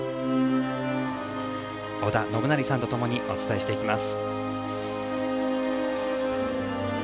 織田信成さんとともにお伝えしていきます。